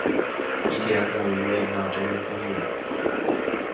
遗体安葬于维也纳中央公墓。